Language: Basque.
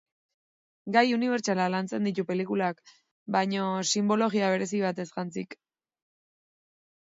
Gai unibertsalak lantzen ditu pelikulak, baina sinbologia berezi batez jantziak.